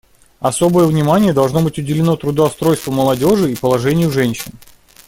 Особое внимание должно быть уделено трудоустройству молодежи и положению женщин.